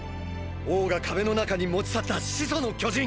王が壁の中に持ち去った「始祖の巨人」！！